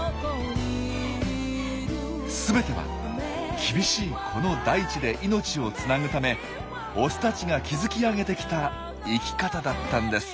全ては厳しいこの大地で命をつなぐためオスたちが築き上げてきた生き方だったんです。